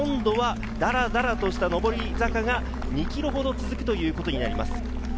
折り返しますと今度はだらだらとした上り坂が２ｋｍほど続くということになります。